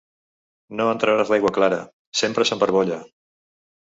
No en trauràs l'aigua clara: sempre s'embarbolla!